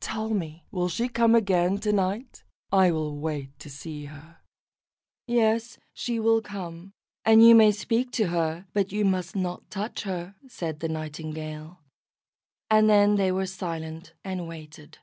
Tell me, will she come again to night? I will wait to see her." "Yes, she will come, and you may speak to her, but you must not touch her," said the Nightingale; and then they were silent and waited.